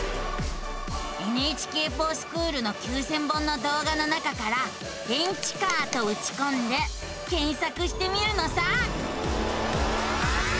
「ＮＨＫｆｏｒＳｃｈｏｏｌ」の９，０００本の動画の中から「電池カー」とうちこんで検索してみるのさ。